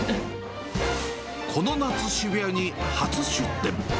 この夏、渋谷に初出店。